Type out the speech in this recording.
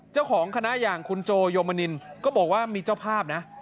เจ้าของคณะอย่างคุณโจโยมนินก็บอกว่ามีเจ้าภาพนะ